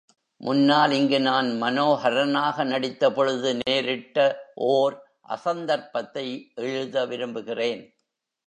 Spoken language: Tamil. முன்னால் இங்கு நான் மனோஹரனாக நடித்த பொழுது நேரிட்ட ஓர் அசந்தர்ப்பத்தை எழுத விரும்புகிறேன்.